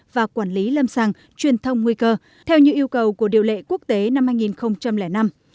và quản lý lâm sàng truyền thông nguy cơ theo như yêu cầu của điều lệ quốc tế năm hai nghìn năm